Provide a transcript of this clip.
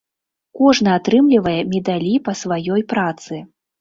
Кожны атрымлівае медалі па сваёй працы.